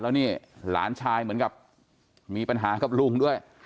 แล้วนี่หลานชายเหมือนกับมีปัญหากับลุงด้วย